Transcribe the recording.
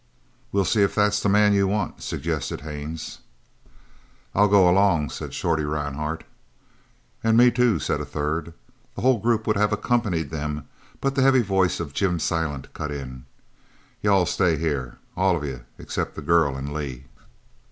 "We'll see if that's the man you want," suggested Haines. "I'll go along," said Shorty Rhinehart. "And me too," said a third. The whole group would have accompanied them, but the heavy voice of Jim Silent cut in: "You'll stay here, all of you except the girl and Lee."